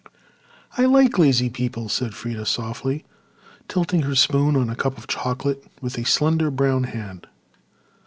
"I like lazy people," said Freda softly, tilting her spoon on a cup of chocolate with a slender brown hand.